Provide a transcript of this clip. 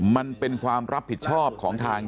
มันเป็นความรับผิดชอบของทาง